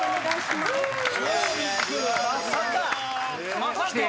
まさか！